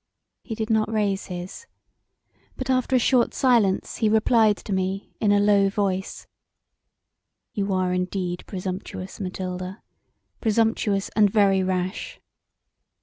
He did not raise his, but after a short silence he replied to me in a low voice: "You are indeed presumptuous, Mathilda, presumptuous and very rash.